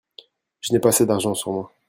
Je n'ai pas assez d'argent sur moi.